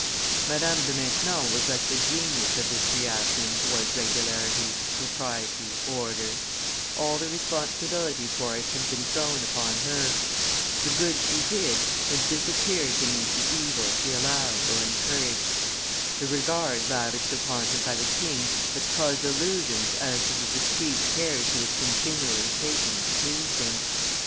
Madame de Maintenon was like the genius of this reaction towards regularity, propriety, order; all the responsibility for it had been thrown upon her; the good she did has disappeared beneath the evil she allowed or encouraged; the regard lavished upon her by the king has caused illusions as to the discreet care she was continually taking to please him.